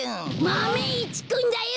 マメ１くんだよ！